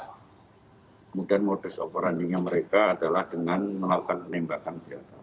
kemudian modus operandinya mereka adalah dengan melakukan penembakan